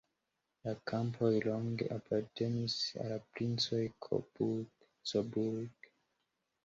La kampoj longe apartenis al princoj Coburg.